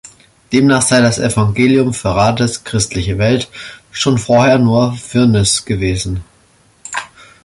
Demnach sei das Evangelium für Rades "Christliche Welt" schon vorher nur „Firnis“ gewesen.